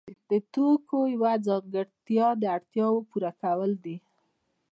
د توکو یوه ځانګړتیا د اړتیاوو پوره کول دي.